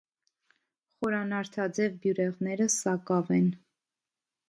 Խորանարդաձև բյուրեղները սակավ են։